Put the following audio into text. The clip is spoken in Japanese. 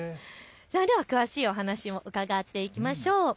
詳しいお話も伺っていきましょう。